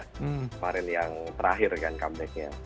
kemarin yang terakhir kan comebacknya